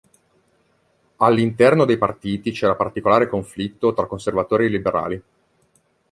All'interno dei partiti c'era particolare conflitto tra conservatori e liberali.